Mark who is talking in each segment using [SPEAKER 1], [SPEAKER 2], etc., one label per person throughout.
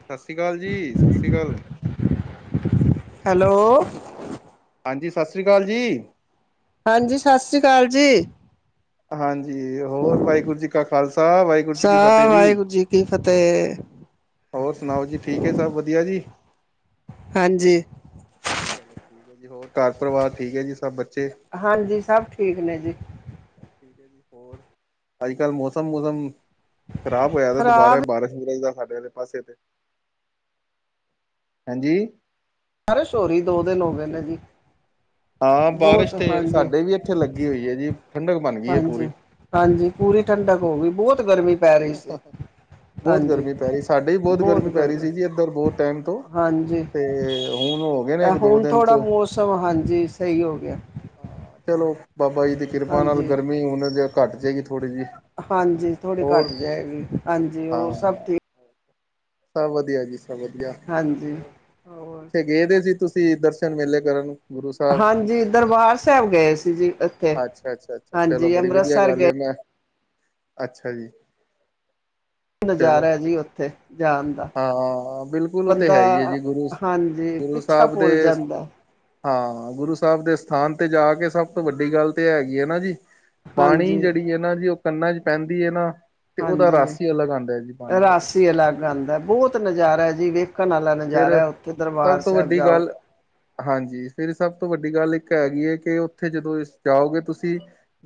[SPEAKER 1] ਸਤਿ ਸ੍ਰੀ ਅਕਾਲ ਜੀ ਸਤਿ ਸ੍ਰੀ ਅਕਾਲ।
[SPEAKER 2] ਹੈਲੋ
[SPEAKER 1] ਹਾਂਜੀ ਸਤਿ ਸ੍ਰੀ ਅਕਾਲ ਜੀ
[SPEAKER 2] ਹਾਂਜੀ ਸਤਿ ਸ੍ਰੀ ਅਕਾਲ ਜੀ
[SPEAKER 1] ਹਾਂਜੀ ਹੋਰ ਵਾਹਿਗੁਰੂ ਜੀ ਕਾ ਖਾਲਸਾ ਵਾਹਿਗੁਰੂ ਜੀ ਕੀ ਫਤਿਹ
[SPEAKER 2] ਸਾਹ
[SPEAKER 1] ਜੀ
[SPEAKER 2] ਵਾਹਿਗੁਰੂ ਕੀ ਫਤਿਹ
[SPEAKER 1] ਹੋਰ ਸੁਣਾਓ ਜੀ ਠੀਕ ਹੈ ਜੀ ਸਭ ਵਧੀਆ ਜੀ।
[SPEAKER 2] ਹਾਂਜੀ।
[SPEAKER 1] ਹੋਰ ਘਰ ਪਰਿਵਾਰ ਠੀਕ ਹੈ ਜੀ। ਸਭ ਬੱਚੇ,
[SPEAKER 2] ਹਾਂਜੀ, ਸਭ ਠੀਕ ਨੇ ਜੀ।
[SPEAKER 1] ਅੱਜ, ਕੱਲ੍ਹ, ਮੌਸਮ ਮਸਮ। ਖਰਾਬ ਹੋਇਆ, ਤੇ ਦੁਬਾਰਾ
[SPEAKER 2] ਖ਼ਰਾਬ
[SPEAKER 1] ਬਾਰਿਸ਼ ਬਰਸ਼ ਦਾ, ਸਾਡੇ ਤੇ, ਪਾਸੇ ਤੇ, ਹਾਂਜੀ।
[SPEAKER 2] ਬਾਰਿਸ਼ ਹੋ ਰਹੀ ਹੈ ਦੋ ਦਿਨ ਹੋ ਗਏ ਨੇ ਜੀ।
[SPEAKER 1] ਹਾਂ,
[SPEAKER 2] ਬਹੁਤ
[SPEAKER 1] ਬਾਰਿਸ਼ ਤੇ
[SPEAKER 2] ਹਾਂਜੀ
[SPEAKER 1] ਸਾਡੇ ਵੀ। ਇੱਥੇ ਲੱਗੀ ਹੋਈ ਹੈ, ਜੀ ਠੰਡਕ ਬਣ ਗਈ ਹੈ।
[SPEAKER 2] ਹਾਂਜੀ
[SPEAKER 1] ਪੂਰੀ,
[SPEAKER 2] ਹਾਂਜੀ, ਪੂਰੀ ਠੰਡਕ ਹੋ ਗਈ। ਬਹੁਤ ਗਰਮੀ ਪੈ ਰਹੀ ਸੀ।
[SPEAKER 1] ਬਹੁਤ
[SPEAKER 2] ਹਾਂਜੀ
[SPEAKER 1] ਗਰਮੀ ਪੈ ਰਹੀ, ਸਾਡੇ ਵੀ ਬਹੁਤ ਗਰਮੀ ਪੈ ਰਹੀ ਸੀ। ਜੀ, ਇੱਧਰ ਬਹੁਤ ਟਾਈਮ ਤੋਂ
[SPEAKER 2] ਹਾਂਜੀ
[SPEAKER 1] ਤੇ ਹੁਣ ਉਹ
[SPEAKER 2] ਹੁਣ, ਥੋੜ੍ਹਾ, ਮੌਸਮ, ਹਾਂਜੀ, ਸਹੀ ਹੋ ਗਿਆ।
[SPEAKER 1] ਹਾਂ ਚਲੋ, ਬਾਬਾ ਜੀ ਦੀ ਕਿਰਪਾ ਨਾਲ,
[SPEAKER 2] ਹਾਂਜੀ
[SPEAKER 1] ਗਰਮੀ ਹੁਣ ਜ ਘੱਟ ਜਾਏਗੀ। ਥੋੜ੍ਹੀ, ਜਿਹੀ।
[SPEAKER 2] ਹਾਂਜੀ, ਥੋੜੀ
[SPEAKER 1] ਹੋਰ
[SPEAKER 2] ਘੱਟ ਜਾਏਗੀ। ਹਾਂਜੀ, ਹੋਰ, ਸਭ
[SPEAKER 1] ਹਾਂ
[SPEAKER 2] ਠੀਕ।
[SPEAKER 1] ਸਭ, ਵਧੀਆ ਜੀ। ਸਭ, ਵਧੀਆ,
[SPEAKER 2] ਹਾਂਜੀ ਹੋਰ
[SPEAKER 1] ਇੱਥੇ ਗਏਦੇ ਸੀ। ਤੁਸੀਂ ਦਰਸ਼ਨ, ਮੇਲੇ ਕਰਨ ਗੁਰੂ ਸਾਹਿਬ,
[SPEAKER 2] ਹਾਂਜੀ ਦਰਬਾਰ ਸਾਹਿਬ ਗਏ ਸੀ ਜੀ ਇੱਥੇ
[SPEAKER 1] ਅੱਛਾ, ਅੱਛਾ, ਅੱਛਾ ਚਲੋ
[SPEAKER 2] ਹਾਂਜੀ
[SPEAKER 1] ਬੜੀ ਵਧੀਆ
[SPEAKER 2] ਅੰਮ੍ਰਿਤਸਰ ਗਏ
[SPEAKER 1] ਗੱਲ, ਮੈਂ ਅੱਛਾ, ਜੀ। ਚਲੋ
[SPEAKER 2] ਨਜ਼ਾਰਾ ਜੀ। ਉੱਥੇ, ਜਾਣ ਦਾ।
[SPEAKER 1] ਹਾਂ, ਬਿਲਕੁਲ, ਉਹਥੇ
[SPEAKER 2] ਬੰਦਾ
[SPEAKER 1] ਹੈ ਹੀ ਹੈ। ਜੀ, ਗੁਰੂ
[SPEAKER 2] ਹਾਂਜੀ
[SPEAKER 1] ਗੁਰੂ
[SPEAKER 2] ਪਿੱਛਾ
[SPEAKER 1] ਸਾਹਿਬ,
[SPEAKER 2] ਭੁੱਲ
[SPEAKER 1] ਦੇ
[SPEAKER 2] ਜਾਂਦਾ
[SPEAKER 1] ਹਾਂ, ਗੁਰੂ ਸਾਹਿਬ ਦੇ ਸਥਾਨ ਤੇ ਜਾ ਕੇ, ਸਭ ਤੋਂ ਵੱਡੀ ਗੱਲ ਤੇ ਹੈਗੀ ਹੈ। ਨਾ ਜੀ। ਬਾਣੀ
[SPEAKER 2] ਹਾਂਜੀ
[SPEAKER 1] ਜਿਹੜੀ ਹੈ ਨਾ, ਜੀ, ਉਹ ਕੰਨਾਂ ਚ, ਪੈਂਦੀ ਹੈ ਨਾ। ਤੇ ਉਹਦਾ
[SPEAKER 2] ਹਾਂਜੀ,
[SPEAKER 1] ਰਸ ਹੀ ਅਲੱਗ ਆਉਂਦਾ ਹੈ ਜੀ ਬਾਣੀ ਦਾ ਤੇ
[SPEAKER 2] ਰਾਸੀ ਅਲੱਗ ਆਉਂਦਾ, ਬਹੁਤ ਨਜ਼ਾਰਾ ਜੀ। ਵੇਖਣ ਵਾਲਾ ਨ। ਜਾ
[SPEAKER 1] ਫਿਰ
[SPEAKER 2] ਰਿਹਾ। ਉੱਥੇ, ਦਰਬਾਰ
[SPEAKER 1] ਸਭ ਤੋਂ
[SPEAKER 2] ਸਾਹਿਬ
[SPEAKER 1] ਵੱਡੀ
[SPEAKER 2] ਜਾਓ।
[SPEAKER 1] ਗੱਲ ਹਾਂਜੀ, ਫੇਿਰ ਸਭ ਤੋਂ ਵੱਡੀ ਗੱਲ ਇੱਕ ਹੈਗੀ ਹੈ। ਕਿ ਉੱਥੇ ਜਦੋਂ ਜਾਓਗੇ ਤੁਸੀਂ।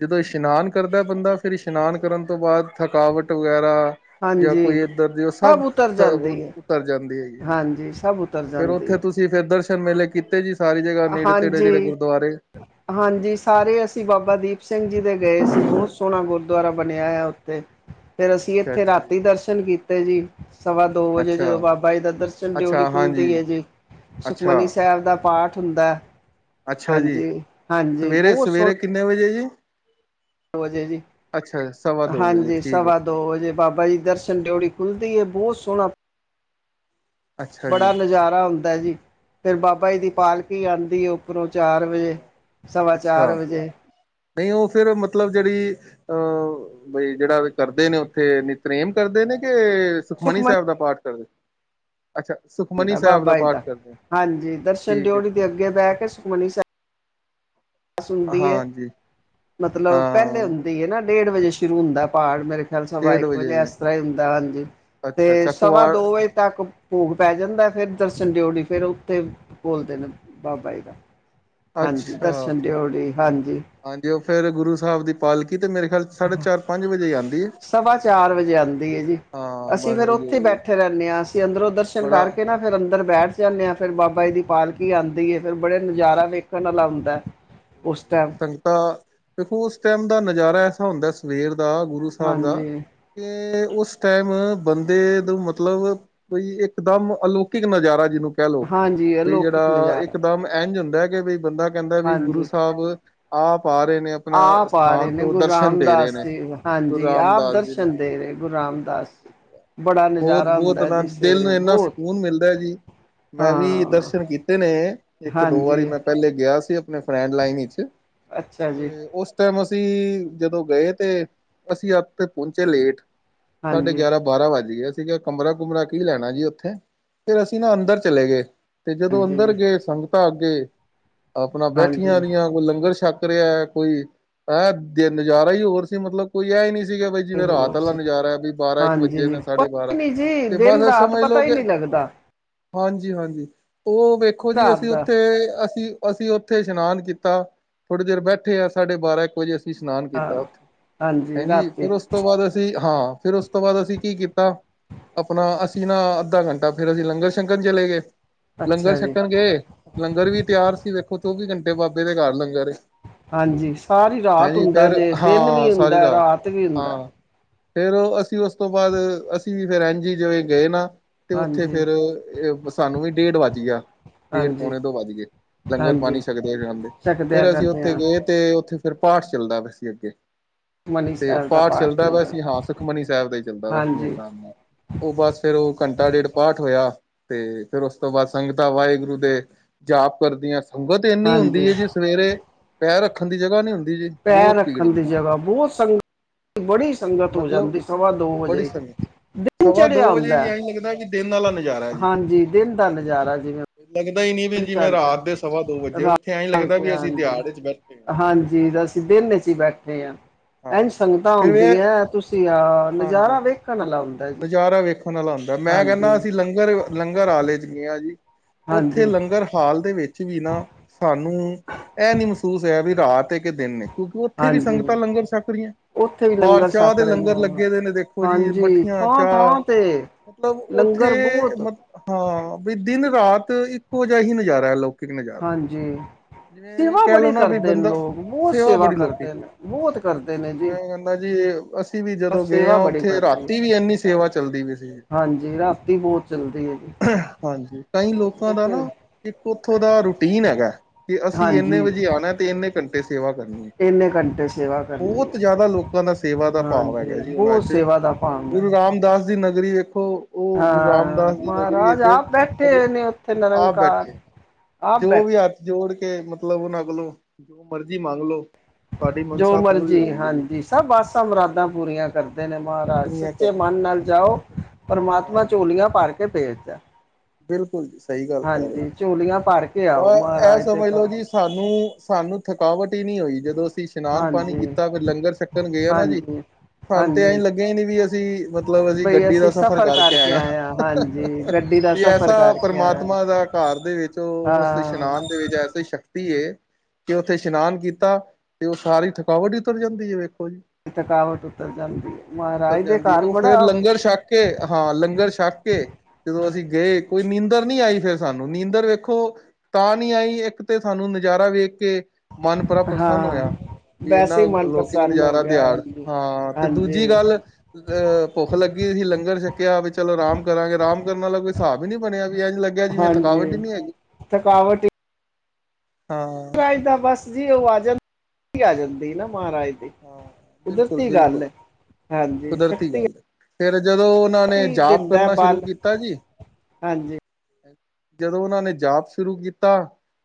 [SPEAKER 1] ਜਦੋਂ ਇਸ਼ਨਾਨ ਕਰਦਾ ਬੰਦਾ, ਫਿਰ ਇਸ਼ਨਾਨ ਕਰਨ ਤੋਂ, ਬਾਅਦ ਥਕਾਵਟ ਵਗੈਰਾ। ਜਾਂ
[SPEAKER 2] ਹਾਂਜੀ
[SPEAKER 1] ਕੋਈ ਇੱਧਰ ਦੀ, ਉਹ ਸਭ
[SPEAKER 2] ਉਤਰ ਜਾਂਦੀ ਹੈ
[SPEAKER 1] ਉਤਰ, ਜਾਂਦੀ ਹੈਗੀ ਜੀ।
[SPEAKER 2] ਹਾਂਜੀ ਸਭ, ਉੱਤਰ
[SPEAKER 1] ਤੇ ਫੇਿਰ, ਉੱਥੇ ਤੁਸੀਂ, ਫੇਿਰ ਦਰਸ਼ਨ ਮੇਲੇ, ਕੀਤੇ ਜੀ। ਸਾਰੀ ਜਗ੍ਹਾ ਨੇੜੇ ਤੇੜੇ ਜਿਹੜੇ
[SPEAKER 2] ਹਾਂਜੀ,
[SPEAKER 1] ਗੁਰਦੁਆਰੇ
[SPEAKER 2] ਹਾਂਜੀ, ਅਸੀਂ ਸਾਰੇ ਬਾਬਾ ਦੀਪ ਸਿੰਘ ਜੀ ਦੇ ਗੁਰਦੁਆਰੇ ਗਏ ਸੀ। ਉੱਥੇ ਬਹੁਤ ਸੋਹਣਾ ਗੁਰਦੁਆਰਾ ਬਣਿਆ ਹੋਇਆ ਹੈ।
[SPEAKER 1] [inaudible]
[SPEAKER 2] ਫਿਰ ਅਸੀਂ ਇੱਥੇ
[SPEAKER 1] ਅੱਛਾ
[SPEAKER 2] ਰਾਤ
[SPEAKER 1] ਜੀ
[SPEAKER 2] ਨੂੰ ਦਰਸ਼ਨ ਕੀਤੇ ਜੀ। ਸਵਾ ਦੋ ਵਜੇ ਜੇਦ
[SPEAKER 1] ਅੱਛਾ
[SPEAKER 2] ਬਾਬਾ ਜੀ ਦਾ ਦਰਸ਼ਨ ਡਿਓੜੀ
[SPEAKER 1] ਅੱਛਾ
[SPEAKER 2] ਖੁੱਲਦੀ
[SPEAKER 1] ਹਾਂਜੀ
[SPEAKER 2] ਹੈ ਜੇ
[SPEAKER 1] ਅੱਛਾ
[SPEAKER 2] ਸੁਖਮਨੀ ਸਾਹਿਬ ਦਾ ਪਾਠ ਹੁੰਦਾ ਹੈ। ਹਾਂ ਜੀ, ਹਾਂ ਜੀ,
[SPEAKER 1] ਸਵੇਰੇ
[SPEAKER 2] ਬਹੁਤ
[SPEAKER 1] ਸਵੇਰੇ
[SPEAKER 2] ਸੋਹਣਾ
[SPEAKER 1] ਕਿੰਨੇ ਵਜੇ ਜੀ ਅੱਛਾ ਸਵਾ ਦੋ
[SPEAKER 2] ਹਾਂ
[SPEAKER 1] ਵਜੇ
[SPEAKER 2] ਜੀ,
[SPEAKER 1] ਠੀਕ ਹੈ
[SPEAKER 2] ਸਵਾ ਦੋ
[SPEAKER 1] ਠੀਕ
[SPEAKER 2] ਵਜੇ ਬਾਬਾ ਜੀ ਦੇ ਦਰਸ਼ਨ ਹੁੰਦੇ ਹਨ। ਡਿਓੜੀ ਖੁੱਲਦੀ ਹੈ ਬਹੁਤ ਸੋਹਣਾ
[SPEAKER 1] ਅੱਛਾ
[SPEAKER 2] ਬੜਾ
[SPEAKER 1] ਜੀ
[SPEAKER 2] ਸੋਹਣਾ ਨਜ਼ਾਰਾ ਹੁੰਦਾ ਜੀ। ਫਿਰ ਬਾਬਾ ਜੀ ਦੀ ਪਾਲਕੀ ਆਉਂਦੀ ਹੈ। ਉੱਪਰੋਂ ਸਵਾ ਚਾਰ
[SPEAKER 1] ਅੱਛਾ
[SPEAKER 2] ਵਜੇ
[SPEAKER 1] ਨਹੀਂ ਉਹ ਫਿਰ ਮਤਲਬ ਜਿਹੜੀ ਆ ਬਈ, ਜਿਹੜੇ ਉੱਥੇ ਕਰਦੇ ਨੇ, ਉਹ ਨਿਤਨੇਮ ਕਰਦੇ ਨੇ ਜੀ। ਸੁਖਮਨੀ ਸਾਹਿਬ ਦਾ ਪਾਠ ਕਰਦੇ। ਅੱਛਾ, ਸੁਖਮਨੀ ਸਾਹਿਬ ਦਾ ਪਾਠ।
[SPEAKER 2] ਬਾਬਾ ਜੀ ਦਾ
[SPEAKER 1] ਕਰਦੇ
[SPEAKER 2] ਹਾਂਜੀ ਦਰਸ਼ਨ
[SPEAKER 1] ਠੀਕ ਹੈ
[SPEAKER 2] ਡਿਓੜੀ ਦੇ
[SPEAKER 1] ਠੀਕ
[SPEAKER 2] ਅੱਗੇ ਬਹਿ ਕੇ ਸੁਖਮਨੀ ਸਾਹਿਬ ਅਰਦਾਸ ਹੁੰਦੀ ਹੈ,
[SPEAKER 1] ਹਾਂਜੀ
[SPEAKER 2] ਮਤਲਬ
[SPEAKER 1] ਹਾਂ
[SPEAKER 2] ਪਹਿਲਾਂ ਹੁੰਦੀ ਹੈ ਨਾ। ਡੇਢ ਵਜੇ ਪਹਿਰਾ ਸ਼ੁਰੂ ਹੁੰਦਾ ਹੈ। ਇਕ ਵਜ਼ੇ ਸਵਾ, ਇੱਕ ਵਜੇ ਇਸ ਤਰ੍ਹਾਂ ਹੀ ਹੁੰਦਾ। ਹਾਂਜੀ,
[SPEAKER 1] ਅੱਛਾ
[SPEAKER 2] ਤੇ
[SPEAKER 1] ਅੱਛਾ
[SPEAKER 2] ਸਵਾ
[SPEAKER 1] ਕੁਵਾੜ
[SPEAKER 2] ਦੋ ਵਜੇ, ਤੱਕ ਭੋਗ ਪੈ ਜਾਂਦਾ, ਫੇਿਰ ਦਰਸ਼ਨ ਡਿਓੜੀ, ਫੇਿਰ ਉੱਥੇ ਬੋਲਦੇ ਨੇ। ਬਾਬਾ ਜੀ ਦਾ ਹਾਂਜੀ
[SPEAKER 1] ਅੱਛਾ,
[SPEAKER 2] ਦਰਸ਼ਨ
[SPEAKER 1] ਠੀਕ ਹੈ,
[SPEAKER 2] ਡਿਓੜੀ
[SPEAKER 1] ਠੀਕ ਹੈ ਜੀ।
[SPEAKER 2] ਹਾਂਜੀ
[SPEAKER 1] ਹਾਂਜੀ, ਫਿਰ ਗੁਰੂ ਸਾਹਿਬ ਜੀ ਦੀ ਪਾਲਕੀ, ਮੇਰੇ ਖ਼ਿਆਲ 'ਚ, ਸਾਢੇ ਚਾਰ ਵਜੇ ਹੁੰਦੀ ਹੈ। ਪੰਜ ਵਜੇ ਆਉਂਦੀ ਹੈ।
[SPEAKER 2] ਸਵਾ ਚਾਰ ਵਜੇ ਆਉਂਦੀ ਹੈ ਜੀ।
[SPEAKER 1] ਹਾਂ
[SPEAKER 2] ਅਸੀਂ
[SPEAKER 1] ਬਸ
[SPEAKER 2] ਫਿਰ
[SPEAKER 1] ਉਹੀਓ
[SPEAKER 2] ਉੱਥੇ
[SPEAKER 1] ਉਹੀਓ
[SPEAKER 2] ਬੈਠੇ ਰਹਿੰਦੇ ਹਾਂ। ਅਸੀਂ ਅੰਦਰੋਂ ਦਰਸ਼ਨ ਕਰਕੇ
[SPEAKER 1] ਬੜਾ
[SPEAKER 2] ਆਉਂਦੇ ਹਾਂ ਨਾ। ਫਿਰ ਅੰਦਰ ਬੈਠ ਜਾਂਦੇ ਹਾਂ। ਫਿਰ ਬਾਬਾ ਜੀ ਦੀ ਪਾਲਕੀ ਆਉਂਦੀ ਹੈ। ਫਿਰ ਬਹੁਤ ਸੋਹਣਾ ਨਜ਼ਾਰਾ ਵੇਖਣ ਨੂੰ ਮਿਲਦਾ ਹੈ।
[SPEAKER 1] ਸੰਗਤਾਂ ਨੂੰ ਦੇਖੋ, ਉਸ ਵੇਲੇ ਸਵੇਰ ਦਾ ਨਜ਼ਾਰਾ ਬਹੁਤ ਸੋਹਣਾ ਹੁੰਦਾ ਹੈ। ਹਿਸਾਬ ਦਾ
[SPEAKER 2] ਹਾਂਜੀ,
[SPEAKER 1] ਕਿ ਉਸ ਟਾਈਮ ਬੰਦੇ ਮਤਲਬ ਕੋਈ ਇੱਕਦਮ ਅਲੌਕਿਕ ਨਜ਼ਾਰਾ ਜਿਹਨੂੰ ਕਹਿ ਲਓ
[SPEAKER 2] ਹਾਂਜੀ
[SPEAKER 1] ਕਿ,
[SPEAKER 2] ਅਲੌਕਿਕ
[SPEAKER 1] ਜਿਹੜਾ
[SPEAKER 2] ਨਜ਼ਾਰਾ
[SPEAKER 1] ਇੱਕਦਮ ਐਂਝ ਹੁੰਦਾ ਹੈ ਕਿ ਬਈ ਬੰਦਾ ਕਹਿੰਦਾ ਹੈ, 'ਵਾਹਿਗੁਰੂ
[SPEAKER 2] ਹਾਂਜੀ।
[SPEAKER 1] ਆਪ ਆ ਰਹੇ ਹਨ। ਆਪਣਾ
[SPEAKER 2] ਆਪ ਆ ਰਹੇ
[SPEAKER 1] ਸਥਾਨ
[SPEAKER 2] ਨੇ
[SPEAKER 1] ਤੋਂ
[SPEAKER 2] ਗੁਰੂ
[SPEAKER 1] ਦਰਸ਼ਨ ਦੇ ਰਹੇ
[SPEAKER 2] ਰਾਮਦਾਸ
[SPEAKER 1] ਨੇ
[SPEAKER 2] ਜੀ
[SPEAKER 1] ਗੁਰੂ
[SPEAKER 2] ਹਾਂਜੀ ਆਪ
[SPEAKER 1] ਰਾਮਦਾਸ ਜੀ
[SPEAKER 2] ਦਰਸ਼ਨ
[SPEAKER 1] ਨੇ
[SPEAKER 2] ਦੇ ਰਹੇ ਗੁਰੂ ਰਾਮਦਾਸ ਜੀ। ਬੜਾ ਨਜ਼ਾਰਾ
[SPEAKER 1] ਬਹੁਤ-ਬਹੁਤ
[SPEAKER 2] ਹੁੰਦਾ ਜੀ
[SPEAKER 1] ਦਿਲ
[SPEAKER 2] ਸਵੇਰੇ
[SPEAKER 1] ਨੂੰ ਇੰਨਾ
[SPEAKER 2] ਬਹੁਤ
[SPEAKER 1] ਸਕੂਨ ਮਿਲਦਾ ਹੈ ਜੀ। ਮੈਂ ਵੀ
[SPEAKER 2] ਹਾਂ
[SPEAKER 1] ਦਰਸ਼ਨ ਕੀਤੇ ਨੇ, ਇਕ ਦੋ ਵਾਰੀ
[SPEAKER 2] ਹਾਂਜੀ।
[SPEAKER 1] ਮੈਂ ਪਹਿਲਾ ਗਿਆ ਸੀ ਆਪਣੇ ਫਰੈਂਡ ਲਾਈਨ ਵਿੱਚ,
[SPEAKER 2] ਅੱਛਾ ਜੀ
[SPEAKER 1] ਉਸ ਟਾਈਮ ਅਸੀਂ ਜਦੋਂ ਗਏ, ਤਾਂ ਅਸੀਂ ਆਪ ਹੀ ਲ ਪਹੁੰਚੇ। ਸਾਢੇ
[SPEAKER 2] ਹਾਂਜੀ।
[SPEAKER 1] ਗਿਆਰਾਂ ਬਾਰਾਂ ਵੱਜ ਗਏ ਸਨ। ਕਮਰਾ ਕੀ ਲੈਣਾ ਸੀ ਜੀ, ਉੱਥੇ? ਫਿਰ ਅਸੀਂ ਅੰਦਰ ਚਲੇ ਗਏ। ਤੇ ਜਦੋਂ ਅਸੀਂ
[SPEAKER 2] ਹਾਂਜੀ,
[SPEAKER 1] ਅੰਦਰ ਗਏ, ਤਾਂ ਸੰਗਤਾਂ ਅੱਗੇ, ਆਪਣਾ ਬੈਠੀਆਂ
[SPEAKER 2] ਹਾਂਜੀ
[SPEAKER 1] ਰਹੀਆ, ਕੋਈ ਲੰਗਰ ਛੱਕ ਰਿਹਾ ਕੋਈ ਹੋਰ ਹੀ ਨਜ਼ਾਰਾ ਸੀ। ਮਤਲਬ, ਇਨਹੀਂ ਸੀ ਕ ਜਿਵੇ ਰਾਤ
[SPEAKER 2] ਹੋਰ
[SPEAKER 1] ਵਾਲਾ
[SPEAKER 2] ਸੀ।
[SPEAKER 1] ਨਜ਼ਾਰਾ ਵੀ ਬਾਰਾਂ ਇੱਕ ਵੱਜੇ
[SPEAKER 2] ਹਾਂਜੀ
[SPEAKER 1] ਨੇ
[SPEAKER 2] ਪਤਾ
[SPEAKER 1] ਸਾਢੇ ਬਾਰਾਂ,
[SPEAKER 2] ਨੀ ਜੀ
[SPEAKER 1] ਤੇ
[SPEAKER 2] ਦਿਨ
[SPEAKER 1] ਬਸ
[SPEAKER 2] ਰਾਤ
[SPEAKER 1] ਸਮਝ
[SPEAKER 2] ਪਤਾ
[SPEAKER 1] ਲੋਓ
[SPEAKER 2] ਹੀ
[SPEAKER 1] ਕਿ
[SPEAKER 2] ਨਹੀਂ ਲੱਗਦਾ
[SPEAKER 1] ਹਾਂਜੀ ਹਾਂਜੀ। ਉਹ ਵੇਖੋ ਜੀ
[SPEAKER 2] ਰਾਤ
[SPEAKER 1] ਅਸੀਂ
[SPEAKER 2] ਦਾ।
[SPEAKER 1] ਉੱਥੇ ਅਸੀਂ ਅਸੀਂ ਉੱਥੇ ਇਸ਼ਨਾਨ ਕੀਤਾ, ਥੋੜੀ ਦੇਰ ਬੈਠੇ ਆ ਸਾਢੇ ਬਾਰਾਂ ਇੱਕ ਵਜੇ ਅ ਇਸ਼ਨਾਨ ਕੀਤਾ ਉੱਥੇ,
[SPEAKER 2] ਹਾਂਜੀ
[SPEAKER 1] ਹਂਜੀ
[SPEAKER 2] ਰਾਤੀ
[SPEAKER 1] ਫੇਿਰ ਉਸ ਤੋਂ ਬਾਅਦ ਅਸੀਂ ਹਾਂ ਫਿਰ ਉਸ ਉਸ ਤੋਂ ਬਾਅਦ ਅਸੀਂ ਕੀ ਕੀਤਾ ਆਪਣਾ ਅਸੀਂ ਨਾ ਅੱਧਾ ਘੰਟਾ ਫੇਿਰ ਅਸੀਂ ਲੰਗਰ ਸ਼ਚਲੇ ਗਏ ਲੰਗਰ
[SPEAKER 2] ਅੱਛਾ ਜੀ।
[SPEAKER 1] ਛਕਣ ਗਏ ਤਾਂ ਲੰਗਰ ਵੀ ਤਿਆਰ ਸੀ। ਵੇਖੋ, ਬਾਬੇ ਘਰ ਚੌਵੀ ਘੰਟੇ ਬਾਬੇ ਦੇ ਘਰ ਲੰਗਰ ਐਚੱਲਦਾ ਰਹਿੰਦਾ ਹੈ।
[SPEAKER 2] ਹਾਂ ਜੀ, ਸਾਰੀ ਰਾਤ ਵ ਹੁੰਦਾ ਹੈ ਤੇ ਦਿਨ ਵੇਲੇ
[SPEAKER 1] ਹਾਂ
[SPEAKER 2] ਵੀ ਹੁੰਦਾ ਹੈ।
[SPEAKER 1] ਫੇਿਰ ਉਹ ਅਸੀਂ ਉਸ ਤੋਂ ਬਾਅਦ ਅਸੀਂ ਵੀ ਫਿਰ ਐਨ ਜੀ ਜਿਵੇਂ ਗਏ ਨਾ ਤੇ ਉੱਥੇ
[SPEAKER 2] ਹਾਂਜੀ
[SPEAKER 1] ਫੇਿਰ ਸਾਨੂੰ ਵੀ ਡੇਢ ਵੱਜ ਗਿਆ ਡੇਢ
[SPEAKER 2] ਹਾਂਜੀ
[SPEAKER 1] ਪੌਣੇ ਤੋਂ ਵੱਜ ਗਏ, ਲੰਗਰ ਪਾਣੀ
[SPEAKER 2] ਹਾਂਜੀ
[SPEAKER 1] ਛਕਦੇ ਆ ਜਾਂਦੇ
[SPEAKER 2] ਛਕਦਿਆਂ
[SPEAKER 1] ਫੇਰ ਅਸੀਂ ਉੱਥੇ
[SPEAKER 2] ਕਰਦਿਆਂ
[SPEAKER 1] ਗਏ ਤੇ ਉੱਥੇ ਫਿਰ ਪਾਠ ਚੱਲਦਾ ਵਆ ਸੀ ਅੱਗੇ,
[SPEAKER 2] ਮਨੀ
[SPEAKER 1] ਤੇ
[SPEAKER 2] ਸਾਹਿਬ ਦਾ
[SPEAKER 1] ਪਾਠ ਚੱਲਦਾ ਵਾ
[SPEAKER 2] ਕਰੀਦਾ
[SPEAKER 1] ਸੀ ਹਾਂ ਸੁਖਮਨੀ ਸਾਹਿਬ ਦਾ ਹੀ ਚੱਲਦਾ ਵਸੇਰੇ
[SPEAKER 2] ਹਾਂਜੀ
[SPEAKER 1] ਨਾਲ, ਉਹ ਬਸ ਫੇਰ ਉਹ ਘੰਟਾ ਡੇਢ ਪਾਠ ਹੋਇਆ ਤੇ ਫੇਰ ਉਸ ਤੋਂ ਬਾਅਦ ਸੰਗਤਾਂ ਵਾਹਿਗੁਰੂ ਦੇ ਜਾਪ ਕਰਦੀਆਂ ਸੰਗਤ ਇੰਨੀ ਹੁੰਦੀ
[SPEAKER 2] ਹਾਂਜੀ
[SPEAKER 1] ਹੈ ਜੀ ਸਵੇਰੇ, ਪੈਰ ਰੱਖਣ ਦੀ ਜਗ੍ਹਾ ਨਹੀਂ ਹੁੰਦੀ ਜੀ
[SPEAKER 2] ਪੈਰ
[SPEAKER 1] ਬਹੁਤ ਭੀੜ
[SPEAKER 2] ਰੱਖਣ ਦੀ
[SPEAKER 1] ਹੁੰਦੀ
[SPEAKER 2] ਜਗ੍ਹਾ ਬਹੁਤ ਸੰਗਤ- ਬੜੀ ਸੰਗਤ ਹੋ
[SPEAKER 1] ਮਤਲਬ
[SPEAKER 2] ਜਾਂਦੀ ਸ ਦੋ
[SPEAKER 1] ਬੜੀ
[SPEAKER 2] ਵਜੇ-
[SPEAKER 1] ਸੰਗਤ
[SPEAKER 2] ਦਿਨ
[SPEAKER 1] ਸਵਾ ਦੋ
[SPEAKER 2] ਚੜਿਆ
[SPEAKER 1] ਵਜੇ
[SPEAKER 2] ਹੁੰਦਾ,
[SPEAKER 1] ਵੀ ਐਂ ਲੱਗਦਾ ਵੀ ਦਿਨ ਵਾਲਾ ਨਜ਼ਾਰਾ ਹੈ ਜੀ।
[SPEAKER 2] ਹਾਂਜੀ ਦਿਨ ਦਾ ਨਜ਼ਾਰਾ ਜਿਵੇਂ
[SPEAKER 1] ਲੱਗਦਾ ਹੀ ਨੀ ਵੀ
[SPEAKER 2] ਦਿਨ
[SPEAKER 1] ਜਿਵੇਂ
[SPEAKER 2] ਚੜ੍ਹਦਾ
[SPEAKER 1] ਰਾਤ ਦੇ ਸਵਾ ਦੋ ਵਜੇ
[SPEAKER 2] ਰਾਤ
[SPEAKER 1] ਉੱਥੇ ਐਂ
[SPEAKER 2] ਦੇ
[SPEAKER 1] ਲੱਗਦਾ
[SPEAKER 2] ਕੋਈ
[SPEAKER 1] ਵੀ ਅਸੀਂ
[SPEAKER 2] ਹਾਂਜੀ
[SPEAKER 1] ਦਿਹਾੜੇ ਚ ਬੈਠੇ ਹਾਂ।
[SPEAKER 2] ਹਾਂਜੀ ਤਾਂ ਅਸੀਂ ਦਿਨ ਚ ਹੀ ਬੈਠੇ ਹਾਂ ਇਝ ਸੰਗਤਾਂ
[SPEAKER 1] ਫਿਰ ਇਹ
[SPEAKER 2] ਆਉਂਦੀਆਂ ਤੁਸੀਂ ਹ, ਨਜ਼ਾਰਾ
[SPEAKER 1] ਹਾਂਜੀ।
[SPEAKER 2] ਵੇਖਣ ਵਾਲਾ ਹਉਂਦਾ ਜੀ
[SPEAKER 1] ਨਜ਼ਾਰਾ ਵੇਖਣ ਮੈਂ ਕਹਿੰਦਾ,
[SPEAKER 2] ਹਾਂਜੀ
[SPEAKER 1] ਅਸੀਂ ਲੰਗਰ ਲੰਗਰ ਹਾਲ ਚ ਗ ਹਾਂ ਜੀ ਉੱਥੇ
[SPEAKER 2] ਹਾਂਜੀ
[SPEAKER 1] ਲੰਗਰ ਹਾਲ ਦੇ ਵਿੱਚ- ਵੀ ਨਾ ਸਾਨੂੰ ਇਹ ਨ ਮਹਿਸੂਸ ਹੋਇਆ ਵੀ ਰਾਤ ਏ ਕਿ ਦਿਨ- ਕਿਉਂਕਿ ਉੱਥੇ ਵੀ
[SPEAKER 2] ਹਾਂਜੀ
[SPEAKER 1] ਸੰਗਤਾਂ ਲੰਗਰ ਛੱਕ ਰਹੀਆਂ
[SPEAKER 2] ਉੱਥੇ ਵੀ
[SPEAKER 1] ਬਾਹਰ
[SPEAKER 2] ਲੰਗਰ
[SPEAKER 1] ਚਾ
[SPEAKER 2] ਛੱਕ
[SPEAKER 1] ਦੇ ਲੰਗਰ
[SPEAKER 2] ਰਹੀਆਂ
[SPEAKER 1] ਲੱਗੇ
[SPEAKER 2] ਵਾ।
[SPEAKER 1] ਲੱਗੇ ਦੇ ਨੇ ਦੇਖੋ ਜੀ
[SPEAKER 2] ਹਾਂਜੀ
[SPEAKER 1] ਮੱਠੀਆਂ ਚਾ,
[SPEAKER 2] ਥਾਂ-ਥਾਂ ਤੇ
[SPEAKER 1] ਮਤਲਬ ਉੱਥੇ
[SPEAKER 2] ਲੰਗਰ ਬਹੁਤ
[SPEAKER 1] ਮਤ ਹਾਂ ਬ ਦਿਨ ਰਾਤ ਇੱਕੋ ਜਹਾ ਹੀ ਨਜ਼ਾਰਾ ਹੈ ਲੋਕ
[SPEAKER 2] ਹਾਂਜੀ। ਸੇਵਾ
[SPEAKER 1] ਕਹਿ ਲਓ
[SPEAKER 2] ਬੜੀ
[SPEAKER 1] ਨਾ ਵੀ
[SPEAKER 2] ਕਰਦੇ ਨੇ
[SPEAKER 1] ਬੰਦਾ
[SPEAKER 2] ਲੋਕ ਬਹੁਤ ਸੇਵਾ
[SPEAKER 1] ਬੜੀ ਲੋਕੀ
[SPEAKER 2] ਕਰਦੇ ਨੇ, ਬਹੁਤ ਕਰਦੇ ਨੇ ਜੀ
[SPEAKER 1] ਮੈਂ ਕਹਿੰਦਾ ਜੀ ਅਸੀਂ ਵੀ ਜਦੋਂ
[SPEAKER 2] ਬਸ
[SPEAKER 1] ਗਏ
[SPEAKER 2] ਸੇਵਾ
[SPEAKER 1] ਹਾਂ ਉੱ
[SPEAKER 2] ਬੜੀ
[SPEAKER 1] ਜਦੋਂ ਅਸੀਂ ਉੱਥੇ ਗਏ, ਤਾਂ ਰਾਤ
[SPEAKER 2] ਕਰਦੀ ਹੈ।
[SPEAKER 1] ਨੂੰ ਵੀ ਇੰਨੀ ਸੇਵਾ ਚੱਲ ਰਹੀ ਸੀ
[SPEAKER 2] ਹਾਂਜੀ ਰਾਤੀ ਬਹੁਤ ਚੱਲਦੀ ਹੈ ਜੀ।
[SPEAKER 1] ਹਾਂ ਜੀ, ਕਈ ਲੋਕਾਂ
[SPEAKER 2] ਇਹ
[SPEAKER 1] ਦਾ ਨਾ
[SPEAKER 2] ਤੇ
[SPEAKER 1] ਉੱਥੋਂ ਦਾ ਇੱਕ ਰੂਟੀਨ ਹੈ ਕਿ ਅਸੀਂ ਇੰਨੇ
[SPEAKER 2] ਹਾਂਜੀ
[SPEAKER 1] ਵਜੇ ਆਉਣਾ ਹੈ ਤਿੰਨ-ਤਿੰਨ ਘੰਟੇ ਸੇਵਾ ਕਰਨੀ ਹੈ।
[SPEAKER 2] ਇੰਨੇ ਘੰਟੇ ਸੇਵਾ ਕਰਨੀ
[SPEAKER 1] ਬਹੁਤ
[SPEAKER 2] ਹੈ।
[SPEAKER 1] ਸਾਰੇ ਲੋਕਾਂ ਵਿੱਚ ਸੇਵਾ ਦਾ ਬਹੁਤ ਭਾਵ ਹੈ।
[SPEAKER 2] ਹਾਂਜੀ ਬਹੁਤ
[SPEAKER 1] ਚ
[SPEAKER 2] ਸੇਵਾ ਦਾ ਭਾਵਨਾ।
[SPEAKER 1] ਗੁਰੂ ਰਾਮਦਾਸ ਦੀ ਨਗਰੀ ਵੇਖੋ ਉਹ ਗੁਰੂ
[SPEAKER 2] ਹਾਂ
[SPEAKER 1] ਰਾਮਦਾਸ ਦੀ ਨਗਰੀ
[SPEAKER 2] ਮਹਾਰਾਜ
[SPEAKER 1] ਵਿੱਚ,
[SPEAKER 2] ਆਪ ਬੈਠੇ
[SPEAKER 1] ਮਤਲਬ
[SPEAKER 2] ਹੋਏ ਨੇ ਉੱਥੇ
[SPEAKER 1] ਆਪ
[SPEAKER 2] ਨਿਰੰਕਾਰ
[SPEAKER 1] ਬੈਠੇ
[SPEAKER 2] ਆਪ
[SPEAKER 1] ਜੋ
[SPEAKER 2] ਬੈਠੇ
[SPEAKER 1] ਵੀ ਹੱਥ ਜੋੜ ਕੇ ਮਤਲਬ ਉਹਨਾ ਕੋਲੋਂ, ਜੋ ਮਰਜ਼ੀ ਮੰਗ ਲੋ ਤੁਹਾਡੀ
[SPEAKER 2] ਜੋ
[SPEAKER 1] ਮਨਸਾ ਪੂਰੀ
[SPEAKER 2] ਮਰਜੀ
[SPEAKER 1] ਹੋਏਗੀ ਜੀ
[SPEAKER 2] ਹਾਂਜੀ ਸਭ ਆਸਾ ਮੁਰਾਦਾਂ ਪੂਰੀਆਂ ਕਰਦੇ ਨੇ ਮਹਾਰਾਜ
[SPEAKER 1] ਦੁਨੀਆਂ
[SPEAKER 2] ਸੱਚੇ
[SPEAKER 1] ਕਰਦਾ
[SPEAKER 2] ਮਨ ਨਾਲ ਜਾਓ।
[SPEAKER 1] ਬਿਲਕੁਲ
[SPEAKER 2] ਪਰਮਾਤਮਾ
[SPEAKER 1] ਹਾਂਜੀ
[SPEAKER 2] ਝੋਲੀਆਂ ਭਰ ਕੇ ਭੇਜਦੇ
[SPEAKER 1] ਬਿਲਕੁਲ ਜੀ, ਸਹੀ ਗੱਲ ਕਹਿ ਰਹੇ ਹੋ, ਤੁਸੀਂ
[SPEAKER 2] ਝੋਲੀਆਂ ਭਰ ਕੇ ਆਓ
[SPEAKER 1] ਇਹ
[SPEAKER 2] ਮਹਾਰਾਜ ਦੇ
[SPEAKER 1] ਸਮਝ ਲਓ
[SPEAKER 2] ਘਰੋਂ
[SPEAKER 1] ਜੀ ਸਾਨੂੰ- ਸਾਨੂੰ ਥਕਾਵਟ ਹੀ ਨਹੀਂ ਹੋਈ, ਜਦੋਂ ਅਸੀਂ ਇਸ਼ਨਾਨ ਪਾਣੀ
[SPEAKER 2] ਹਾਂਜੀ
[SPEAKER 1] ਕੀਤਾ, ਫਿਰ ਲੰਗਰ ਛੱਕਣ ਗਏ ਆ ਨਾ ਜੀ।
[SPEAKER 2] ਹਾਂਜੀ
[SPEAKER 1] ਸਾਨੂੰ ਤੇ ਐਂ
[SPEAKER 2] ਹਾਂਜੀ
[SPEAKER 1] ਲੱਗਿਆ ਈ ਨੀ, ਵੀ ਅਸੀਂ ਮਤਲਬ ਅਸੀਂ
[SPEAKER 2] ਬਈ
[SPEAKER 1] ਗੱਡੀ ਦਾ ਸਫ਼ਰ ਕਰਕੇ ਆਏ ਆਂ।
[SPEAKER 2] ਹਾਂ ਹਾਂਜੀ ਗੱਡੀ ਦਾ
[SPEAKER 1] ਤੇ
[SPEAKER 2] ਸਫ਼ਰ
[SPEAKER 1] ਐਸਾ
[SPEAKER 2] ਕਰਕੇ ਆਏ ਹਾਂ
[SPEAKER 1] ਪ੍ਰਮਾਤਮਾ ਦਾ ਘਰ ਦੇ ਵਿੱਚ, ਉਸ ਇਸ਼ਨਾਨ
[SPEAKER 2] ਹਾਂ
[SPEAKER 1] ਦੇ ਵਿੱਚ ਐਸੀ ਸ਼ਕਤੀ ਧੀਏ ਤੇ ਉੱਥੇ ਇਸ਼ਨਾਨ ਕੀਤਾ, ਤੇ ਉਹ ਸਾਰੀ ਥਕਾਵਟ ਉਤਰ ਈ ਜਾਂਦੀ ਐ, ਵੇਖੋ ਜੀ।
[SPEAKER 2] ਥਕਾਵਟ ਉਤਰ ਜਾਂਦੀ ਏ,
[SPEAKER 1] ਉਤਰ
[SPEAKER 2] ਮਹਾਰਾਜ ਦੇ
[SPEAKER 1] ਜਾਂਦੀ
[SPEAKER 2] ਘਰ
[SPEAKER 1] ਉਹ
[SPEAKER 2] ਬੜਾ
[SPEAKER 1] ਫੇਰ ਲੰਗਰ ਛੱਕ ਕੇ ਹਾਂ, ਲੰਗਰ ਛੱਕ ਕੇ ਜਦੋਂ ਅਸੀਂ ਗਏ, ਕੋਈ ਨੀਂਦਰ ਨਹੀਂ ਆਈ ਫਿਰ ਸਾਨੂੰ, ਨੀਂਦਰ ਵੇਖੋ ਤਾਂ ਨੀ ਆਈ, ਇੱਕ ਤੇ ਸਾਨੂੰ ਨਜ਼ਾਰਾ ਵੇਖ ਕੇ ਮਨ ਬੜਾ ਪ੍ਰਸੰਨ
[SPEAKER 2] ਹਾਂ
[SPEAKER 1] ਹੋਇਆ। ਵੀ
[SPEAKER 2] ਵੈਸੇ
[SPEAKER 1] ਇਹਨਾਂ
[SPEAKER 2] ਹੀ
[SPEAKER 1] ਅ
[SPEAKER 2] ਮਨ
[SPEAKER 1] ਲੋਕਿਕ
[SPEAKER 2] ਪ੍ਰਸੰਨ ਹੋ
[SPEAKER 1] ਨਜ਼ਾਰਾ
[SPEAKER 2] ਗਿਆ
[SPEAKER 1] ਦਿਹਾੜ
[SPEAKER 2] ਹਾਂਜੀ
[SPEAKER 1] ਹਾਂ, ਤੇ ਦੂਜੀ
[SPEAKER 2] ਹਾਂਜੀ
[SPEAKER 1] ਗੱਲ ਅਹ ਭੁੱਖ ਲੱਗੀ ਹੋਈ ਸੀ ਲੰਗਰ ਛਕਿਆ, ਵੀ ਚਲੋ ਆਰਾਮ ਕਰਾਂਗੇ, ਆਰਾਮ ਕਰਨ ਵਾਲਾ ਕੋਈ ਹਿਸਾਬ ਹੀ ਨੀ ਬਣਿਆ ਕੋਈ, ਵੀ ਇੰਝ ਲੱਗਿਆ ਜਿਵੇਂ
[SPEAKER 2] ਹਾਂਜੀ
[SPEAKER 1] ਥਕਾਵਟ ਈ ਨੀ ਹੈਗੀ,
[SPEAKER 2] ਥਕਾਵਟ
[SPEAKER 1] ਹਾਂ।
[SPEAKER 2] ਮਹਾਰਾਜ ਬਸ ਜੀ ਉਹ ਆ ਜਾਂਦੀ, ਆ ਜਾਂਦੀ ਨਾ ਮਹਾਰਾਜ ਦੀ।
[SPEAKER 1] ਹਾਂ ਬਿਲਕੁਲ
[SPEAKER 2] ਕੁਦਰਤੀ
[SPEAKER 1] ਬਿਲਕੁਲ
[SPEAKER 2] ਗੱਲ, ਹਾਂਜੀ
[SPEAKER 1] ਕੁਦਰਤੀ
[SPEAKER 2] ਸ਼ਕਤੀ ਆ
[SPEAKER 1] ਗੱਲ ਹੈ ਫੇਰ ਜਦੋਂ ਉਹਨਾਂ ਨੇ ਜਾਪ ਕਰਨਾ ਸ਼ੁਰੂ
[SPEAKER 2] ਬਲ
[SPEAKER 1] ਕੀਤਾ ਜੀ
[SPEAKER 2] ਹਾਂਜੀ
[SPEAKER 1] ਜਦੋਂ ਉਹਨਾਂ ਨੇ ਜਾਪ ਸ਼ੁਰੂ ਕੀਤਾ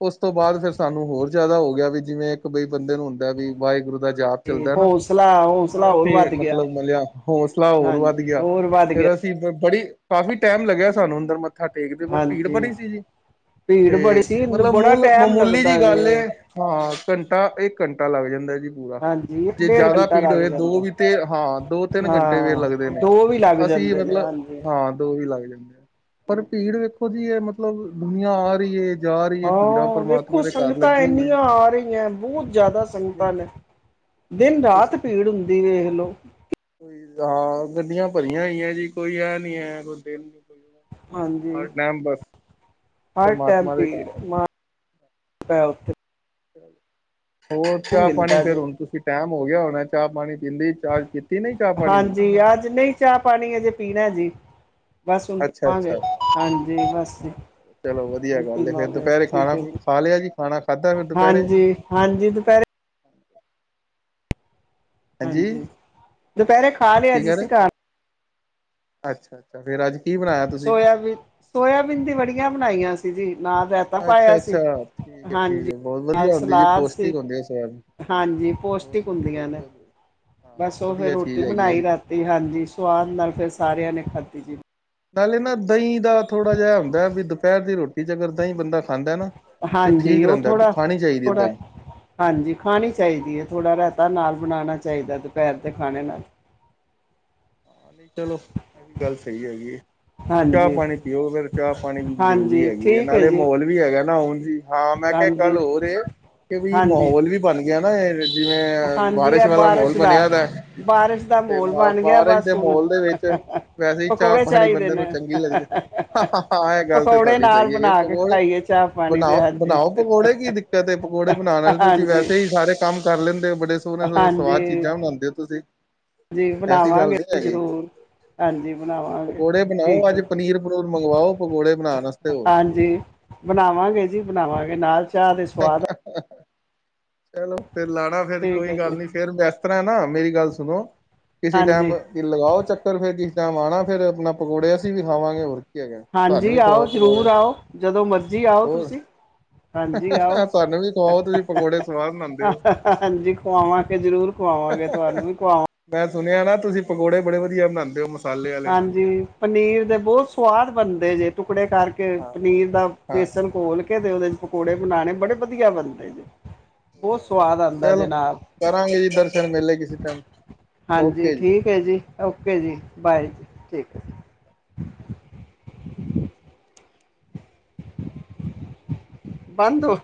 [SPEAKER 1] ਉਸ ਤੋਂ ਬਾਅਦ ਫਿਰ ਸਾਨੂੰ ਹੋਰ ਜ਼ਿਆਦਾ ਹੋ ਗਿਆ, ਵੀ ਜਿਵੇਂ ਇੱਕ ਬਈ ਬੰਦੇ ਨੂੰ ਹੁੰਦਾ ਵੀ ਵਾਹਿਗੁਰੂ ਦਾ ਜਾਪ ਚੱਲਦਾ ਨਾ,
[SPEAKER 2] ਹੌਸਲਾ ਹੌਸਲਾ ਹੋਰ
[SPEAKER 1] ਉੱਥੇ
[SPEAKER 2] ਵੱਧ ਗਿਆ
[SPEAKER 1] ਮਤਲਬ ਮਿਲਿਆ ਹੌਸਲਾ ਹੋਰ ਵੱਧ
[SPEAKER 2] ਹਾਂਜੀ
[SPEAKER 1] ਗਿਆ,
[SPEAKER 2] ਹੋਰ ਵੱਧ ਗਿਆ
[SPEAKER 1] ਫੇਰ ਭੀੜ ਬੜੀ ਕਾਫੀ ਟੈਮ ਲੱਗਿਆ ਸਾਨੂੰ ਅੰਦਰ ਮੱਥਾ ਟੇਕਦੇ, ਬ ਭੀੜ
[SPEAKER 2] ਹਾਂਜੀ
[SPEAKER 1] ਬੜੀ ਸੀ ਜੀ। ਤੇ
[SPEAKER 2] ਭੀੜ ਬੜੀ ਸੀ
[SPEAKER 1] ਮਤਲਬ
[SPEAKER 2] ਬੜਾ
[SPEAKER 1] ਮਮੂ
[SPEAKER 2] ਟਾਈਮ
[SPEAKER 1] ਮਮੂਲੀ ਜੀ
[SPEAKER 2] ਲੱਗਦਾ
[SPEAKER 1] ਗੱਲ ਏ।
[SPEAKER 2] ਜੇ
[SPEAKER 1] ਹਾਂ ਘੰਟਾ, ਇੱਕ ਘੰਟਾ ਲੱਗ ਜਾਂਦਾ ਜੀ ਪੂਰਾ।
[SPEAKER 2] ਹਾਂਜੀ ਇੱਕ
[SPEAKER 1] ਜੇ
[SPEAKER 2] ਡੇਢ
[SPEAKER 1] ਜ਼ਿਆਦਾ
[SPEAKER 2] ਘੰਟਾ
[SPEAKER 1] ਭੀੜ
[SPEAKER 2] ਲੱਗ
[SPEAKER 1] ਹੋਵੇ ਦੋ
[SPEAKER 2] ਜਾਂਦਾ
[SPEAKER 1] ਵੀ ਹਾਂ, ਦੋ-ਤਿੰਨ ਘੰਟੇ ਫੇਰ ਲੱਗਦੇ
[SPEAKER 2] ਹਾਂ
[SPEAKER 1] ਨੇ,
[SPEAKER 2] ਦੋ ਵੀ ਲੱਗ
[SPEAKER 1] ਅਸੀਂ
[SPEAKER 2] ਜਾਂਦੇ ਨੇ
[SPEAKER 1] ਮਤਲਬ
[SPEAKER 2] ਹਾਂਜੀ
[SPEAKER 1] ਹਾਂ ਦੋ ਵੀ ਲੱਗ ਜਾਂਦਾ ਆ, ਪਰ ਭੀੜ ਵੇਖੋ ਜੀ ਇਹ ਮਤ ਮਤਲਬ ਦੁਨੀਆਂ ਆ ਰਹੀ ਏ, ਜਾ ਰਹੀ ਏ, ਭੀੜਾ
[SPEAKER 2] ਹਾਂ
[SPEAKER 1] ਪ੍ਰਮਾਤਮਾ
[SPEAKER 2] ਵੇਖੋ
[SPEAKER 1] ਦੇ ਘਰ
[SPEAKER 2] ਸੰਗਤਾਂ
[SPEAKER 1] ਲੱਗੀ।
[SPEAKER 2] ਇੰਨੀਆਂ ਆ ਰਹੀਆਂ ਬਹੁਤ ਜ਼ਿਆਦਾ ਸੰਗਤਾਂ ਨੇ,
[SPEAKER 1] ਬਿਲਕੁਲ ਬਿਲਕੁਲ
[SPEAKER 2] ਦਿਨ-ਰਾਤ ਭੀੜ ਹੁੰਦੀ ਵੇਖ ਲੋ।
[SPEAKER 1] ਕਿ ਹਾਂ, ਗੱਡੀਆਂ ਭਰੀਆਂ ਹੋਈਆਂ ਜੀ, ਕੋਈ ਇਹ ਨਹੀਂ ਹੈ, ਕੋਈ ਦਿਨ
[SPEAKER 2] ਹਾਂਜੀ, ਹਰ ਟਾਈਮ
[SPEAKER 1] ਪਰਮਾਤਮਾ ਦੇ
[SPEAKER 2] ਭੀੜ
[SPEAKER 1] ਘਰ
[SPEAKER 2] [inaudible]
[SPEAKER 1] ਹੋਰ
[SPEAKER 2] ਉਹ
[SPEAKER 1] ਚਾਹ ਪਾਣੀ
[SPEAKER 2] ਮਿਲਦਾ
[SPEAKER 1] ਫੇਰ
[SPEAKER 2] ਜੇ
[SPEAKER 1] ਹੁਣ ਤੁਸੀਂ ਟੈਮ ਹੋ ਗਿਆ ਹੋਣਾ, ਚਾਹ ਪਾਣੀ ਪੀਂਦੀ ਚਾਰਜ ਕੀਤੀ ਨਹੀ, ਚਾਹ-ਪਾਣੀ ਦੀ।
[SPEAKER 2] ਕਿ ਅੱਜ ਨਹੀਂ ਚਾਹ-ਪਾਣੀ ਹਜੇ ਪੀਣਾ ਜੀ, ਬਸ ਹੁਣ
[SPEAKER 1] ਅੱਛਾ
[SPEAKER 2] ਪੀਵਾਂਗੇ,
[SPEAKER 1] ਅੱਛਾ
[SPEAKER 2] ਹਾਂਜੀ, ਬਸ ਜੀ।
[SPEAKER 1] ਚਲੋ, ਵਧੀਆ
[SPEAKER 2] ਹੁਣ
[SPEAKER 1] ਗੱਲ ਏ, ਫੇਰ
[SPEAKER 2] ਪੀਵਾਂਗੇ
[SPEAKER 1] ਦੁਪਹਿਰੇ
[SPEAKER 2] ਠੀਕ
[SPEAKER 1] ਖਾਣਾ
[SPEAKER 2] ਹੈ ਜੀ
[SPEAKER 1] ਖਾ ਲਿਆ ਜੀ, ਖਾਣਾ ਖਾਧਾ ਫੇਰ ਦੁਪਹਿਰੇ।
[SPEAKER 2] ਹਾਂਜੀ ਹਾਂਜੀ, ਦੁਪਹਿਰੇ ਹਾਂਜੀ, ਦੁਪਹਿਰੇ ਖਾ ਲਿਆ ਜੀ ਅਸੀਂ ਘਰ।
[SPEAKER 1] ਅੱਛਾ। ਫੇਰ ਅੱਜ ਕੀ ਬਣਾਇਆ। ਤੁਸੀਂ?
[SPEAKER 2] ਸੋਇਆਬੀਨ- ਸੋਇਆਬੀਨ ਦੀਆਂ ਬੜੀਆਂ ਬਣਾਈਆਂ ਸੀ ਜੀ, ਨਾਲ ਅਜ।
[SPEAKER 1] ਅੱਛਾ-ਅੱਛਾ, ਠੀਕ ਐ- ਠੀਕ ਐ, ਬਹੁਤ
[SPEAKER 2] ਨਾਲ
[SPEAKER 1] ਵਧੀਆ ਹੁੰਦੀ ਜੀ,
[SPEAKER 2] ਸਲਾਦ ਸੀ
[SPEAKER 1] ਪੌਸ਼ਟਿਕ ਹੁੰਦੀ ਆ ਸੋਇਆਬੀਨ।
[SPEAKER 2] ਹਾਂਜੀ
[SPEAKER 1] ਬਹੁਤ
[SPEAKER 2] ਪੌਸ਼ਟਿਕ
[SPEAKER 1] ਵਧੀਆ ਜੀ
[SPEAKER 2] ਹੁੰਦੀਆਂ ਨੇ,
[SPEAKER 1] ਬਹੁਤ ਵਧੀਆ
[SPEAKER 2] ਬਸ
[SPEAKER 1] ਹਾਂ
[SPEAKER 2] ਉਹ ਫੇਰ
[SPEAKER 1] ਵਧੀਆ
[SPEAKER 2] ਰੋਟੀ
[SPEAKER 1] ਚੀਜ਼ ਹੈਗੀ ਹੈ
[SPEAKER 2] ਬਣਾਈ
[SPEAKER 1] ਜੀ।
[SPEAKER 2] ਰਾਤ। ਤੇ ਹਾਂਜੀ, ਸਵਾਦ ਨਾਲ ਫਿਰ ਸਾਰਿਆਂ ਨੇ ਖਾਧੀ ਜੀ।
[SPEAKER 1] ਨਾਲੇ ਨਾ ਦਹੀਂ ਦਾ ਥੋੜ੍ਹਾ ਜਿਹਾ ਹੁੰਦਾ ਵੀ, ਦੁਪਹਿਰ ਦੀ ਰੋਟੀ ਚ ਅਗਰ ਦਹੀਂ ਬੰਦਾ ਖਾਂਦਾ ਨਾ ਤੇ
[SPEAKER 2] ਹਾਂਜੀ
[SPEAKER 1] ਠੀਕ
[SPEAKER 2] ਉਹ
[SPEAKER 1] ਰਹਿੰਦਾ,
[SPEAKER 2] ਥੋੜਾ
[SPEAKER 1] ਖਾਣੀ ਚਾਹੀਦੀ ਏ
[SPEAKER 2] ਥੋੜਾ
[SPEAKER 1] ਦਹੀਂ।
[SPEAKER 2] ਹਾਂਜੀ ਖਾਣੀ ਚਾਹੀਦੀ ਏ, ਥੋੜਾ ਰਾਏਤਾ ਨਾਲ ਬਣਾਣਾ ਚਾਹੀਦਾ, ਦੁਪਹਿਰ ਦੇ ਖਾਣੇ ਨਾਲ।
[SPEAKER 1] ਹਾਂਜੀ ਚਲੋ, ਇਹ ਗੱਲ ਸਹੀ ਹੈਗੀ ਏ।
[SPEAKER 2] ਹਾਂਜੀ
[SPEAKER 1] ਚਾਹ-ਪਾਣੀ ਪੀਓ, ਫਿਰ ਚਾਹ-ਪਾਣੀ ਵੀ ਜ਼ਰੂਰੀ
[SPEAKER 2] ਹਾਂਜੀ
[SPEAKER 1] ਹੈਗੀ ਏ,
[SPEAKER 2] ਠੀਕ ਹੈ
[SPEAKER 1] ਨਾਲੇ
[SPEAKER 2] ਜੀ
[SPEAKER 1] ਮਹੌਲ ਵੀ ਹੈਗਾ ਨਾ ਹੁਣ ਜੀ, ਹਾਂ ਮੈਂ ਕਿਹਾ ਇੱਕ ਗੱਲ
[SPEAKER 2] ਹਾਂਜੀ
[SPEAKER 1] ਹੋਰ ਏ, ਕਿ
[SPEAKER 2] ਹਾਂਜੀ
[SPEAKER 1] ਮਾਹੌਲ ਵੀ ਬਣ ਗਿਆ ਨਾ ਇਹ। ਜਿਵੇਂ ਬਾਰਿਸ਼ ਵਾਲਾ ਮਹੌਲ ਬਣਿਆ ਦਾ,
[SPEAKER 2] ਬਾਰਿਸ਼ ਦਾ
[SPEAKER 1] ਤੇ
[SPEAKER 2] ਮਾਹੌਲ ਬਣ ਗਿਆ
[SPEAKER 1] ਬਾਰਿਸ਼
[SPEAKER 2] ਬਸ
[SPEAKER 1] ਦੇ
[SPEAKER 2] ਹੁਣ
[SPEAKER 1] ਮੋਲ ਦੇ ਵਿੱਚ ਵੈਸੇ ਈ
[SPEAKER 2] ਪਕੌੜੇ
[SPEAKER 1] ਚਾਹ-ਪਾਣੀ
[SPEAKER 2] ਚਾਹੀਦੇ
[SPEAKER 1] ਬੰਦੇ ਨੂੰ
[SPEAKER 2] ਨੇ
[SPEAKER 1] ਚੰਗੀ ਲੱਗਦੀ ਹਾ, ਹਾ। ਹਾਂ, ਇਹ ਗੱਲ ਤਾਂ
[SPEAKER 2] ਪਕੌੜੇ
[SPEAKER 1] ਤੁਹਾਡੀ
[SPEAKER 2] ਨਾਲ
[SPEAKER 1] ਸਹੀ ਹੈਗੀ ਏ,
[SPEAKER 2] ਬਣਾ ਕੇ
[SPEAKER 1] ਪਕੌੜੇ
[SPEAKER 2] ਖਾਈਏ ਚਾਹ ਪਾਣੀ ਦੇ
[SPEAKER 1] ਬਣਾਓ,
[SPEAKER 2] ਹਾਂਜੀ
[SPEAKER 1] ਬਣਾਓ ਪਕੌੜੇ ਕੀ ਤੇ ਪਕੌੜੇ ਬਣਾਣ ਆਲੇ ਤੁਸੀਂ
[SPEAKER 2] ਹਾਂਜੀ
[SPEAKER 1] ਵੈਸੇ ਹੀ ਸਾਰੇ ਕੰਮ ਕਰ ਲੈਂਦੇ ਹੋ, ਬੜੇ। ਸੋਹਣੇ-ਸੋਹਣੇ ਸਵਾਦ ਦੀਆਂ
[SPEAKER 2] ਹਾਂਜੀ
[SPEAKER 1] ਚੀਜ਼ਾਂ ਬਣਾਉਂਦੇ ਹੋ ਤੁਸੀਂ,
[SPEAKER 2] ਜੀ
[SPEAKER 1] ਐਸੀ ਗੱਲ
[SPEAKER 2] ਬਣਾਵਾਂਗੇ
[SPEAKER 1] ਨਹੀਂ। ਹੈਗੀ।
[SPEAKER 2] ਜ਼ਰੂਰ। ਹਾਂਜੀ ਬਣਾਵਾਂ।
[SPEAKER 1] ਪਕੌੜੇ ਬਣਾਓ ਅੱਜ ਪਨੀਰ-ਪਨੂਰ ਮੰਗਵਾਓ, ਪਕੌੜੇ ਬਣਾਉਣ। ਹੋਰ ਕੀ ਹੈਗਾ।
[SPEAKER 2] ਹਾਂਜੀ, ਬਣਾਵਾਂਗੇ ਜੀ ਬਣਾਵਾਂਗੇ ਨਾਲੇ ਚਾਹ ਦੇ ਸਵਾਦ
[SPEAKER 1] ਚਲੋ ਫੇਰ ਲਾਣਾ ਫੇਰ
[SPEAKER 2] ਠੀਕ ਹੈ
[SPEAKER 1] ਕੋਈ
[SPEAKER 2] ਜੀ
[SPEAKER 1] ਗੱਲ ਨਹੀਂ, ਫਿਰ ਵੈਸੇ ਆਪਣਾ ਨਾ ਮੇਰੀ ਗੱਲ ਸੁਣੋ, ਕਿਸੇ ਟਾਈਮ।
[SPEAKER 2] ਹਾਂਜੀ
[SPEAKER 1] ਲਗਾਓ ਚੱਕਰ ਫੇਰ ਕਿਸ ਟਾਈਮ ਆਉਣਾ ਫਿਰ ਆਪਣੇ ਪਕੌੜੇ ਅਸੀਂ ਵੀ ਖਾਵਾਂਗੇ ਹੋਰ ਕੀ ਹੈਗਾ ਸਾਨੂੰ
[SPEAKER 2] ਹਾਂਜੀ
[SPEAKER 1] ਵੀ
[SPEAKER 2] ਆਓ
[SPEAKER 1] ਖਵਾਓ ਪਕੌੜੇ।
[SPEAKER 2] ਜ਼ਰੂਰ ਆਓ ਜਦੋਂ ਮਰਜ਼ੀ ਆਓ
[SPEAKER 1] ਹੋਰ
[SPEAKER 2] ਤੁਸੀਂ। ਹਾਂਜੀ ਆਓ,
[SPEAKER 1] ਸਾਨੂੰ ਵੀ ਖਵਾਓ ਤੁਸੀਂ ਪਕੌੜੇ ਸਵਾਦ ਬਣਾਉਂਦੇ ਹੋ।
[SPEAKER 2] ਹਾਂਜੀ ਖਵਾਵਾਂਗੇ ਜਰੂਰ। ਖਵਾਵਾਂਗੇ ਤੁਹਾਨੂੰ ਵੀ ਖਵਾਵਾਂ
[SPEAKER 1] ਮੈਂ ਸੁਣਿਆ ਨਾ ਤੁਸੀਂ ਪਕੌੜੇ ਬੜੇ ਵਧੀਆ ਬਣਾਉਂਦੇ ਹੋ। ਮਸਾਲੇ ਵਾਲੇ।
[SPEAKER 2] ਹਾਂਜੀ ਪਨੀਰ ਦੇ ਬਹੁਤ ਸਵਾਦ ਬਣਦੇ ਜੇ ਟੁਕੜੇ ਕਰਕੇ। ਕੇ
[SPEAKER 1] ਹਾਂ
[SPEAKER 2] ਪਨੀਰ ਦਾ ਬੇਸਨ ਘੋਲ ਕੇ ਤੇ ਉਹਦੇ ਚ ਪਕੌੜੇ ਬਣਾਉਣੇ ਬੜੇ ਵਧੀਆ ਬਣਦੇ ਜੇ। ਬਹੁਤ ਸਵਾਦ ਆਉਂਦਾ
[SPEAKER 1] ਚਲੋ
[SPEAKER 2] ਜੇ ਨਾਲ।
[SPEAKER 1] ਕਰਾਂਗੇ ਜੀ ਦਰਸ਼ਨ ਮੇਲੇ ਕਿਸੇ ਟਾਈਮ।
[SPEAKER 2] ਹਾਂਜੀ
[SPEAKER 1] ਓਕੇ ਜੀ।
[SPEAKER 2] ਠੀਕ ਹੈ ਜੀ, ਓਕੇ ਜੀ
[SPEAKER 1] ਠੀਕ ਹੈ
[SPEAKER 2] ਬਾਏ
[SPEAKER 1] ਓਕੇ।
[SPEAKER 2] ਠੀਕ ਹੈ। ਬੰਦ ਹੋ।